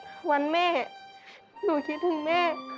เพราะวันแม่หนูคิดถึงแม่